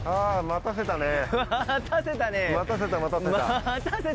待たせたね。